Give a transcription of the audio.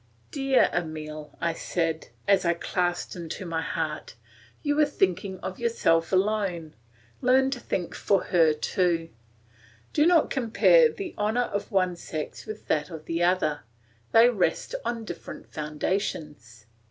"Dear Emile," I said, as I clasped him to my heart, "you are thinking of yourself alone; learn to think for her too. Do not compare the honour of one sex with that of the other, they rest on different foundations.